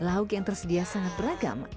lauk yang tersedia sangat beragam